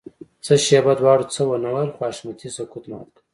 څه شېبه دواړو څه ونه ويل خو حشمتي سکوت مات کړ.